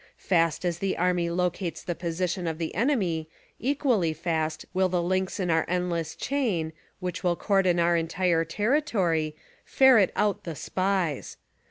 Fast as the army locates the position of the enemy equally fast will the links in our endless chain, which will cordon our entire territory, SPY PROOF AMERICA 13 ferret out the SPIES.